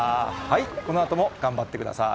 このあとも頑張ってください。